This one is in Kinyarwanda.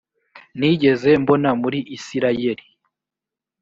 nigeze mbona muri isirayeli